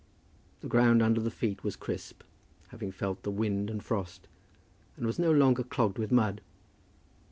The ground under the feet was crisp, having felt the wind and frost, and was no longer clogged with mud.